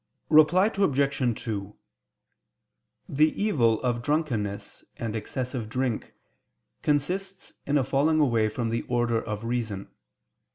Reply Obj. 2: The evil of drunkenness and excessive drink, consists in a falling away from the order of reason.